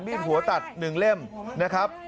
หัวตัด๑เล่มนะครับ